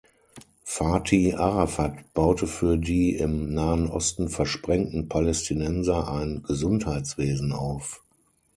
Fathi Arafat baute für die im Nahen Osten versprengten Palästinenser ein Gesundheitswesen auf.